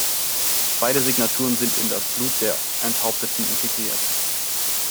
Beide Signaturen sind in das Blut der Enthaupteten integriert.